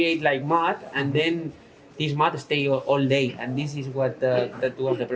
jadi dari permukaan kita membuat mat dan mat ini tetap sehari hari